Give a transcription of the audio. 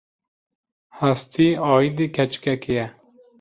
Hestî aîdî keçikekê ye.